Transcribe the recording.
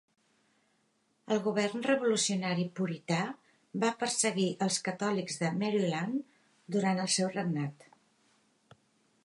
El govern revolucionari purità va perseguir els catòlics de Maryland durant el seu regnat.